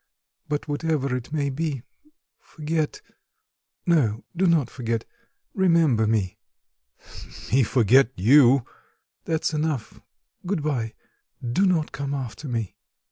but whatever it may be, forget... no, do not forget; remember me." "Me forget you " "That's enough, good bye. Do not come after me."